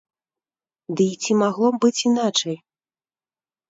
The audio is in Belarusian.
Ды і ці магло быць іначай.